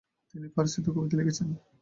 তিনি ফারসিতেও কবিতা লিখেছেন।